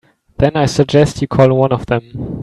Then I suggest you call one of them.